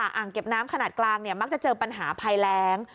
อ่างเก็บน้ำขนาดกลางมักจะเจอปัญหาภัยแรง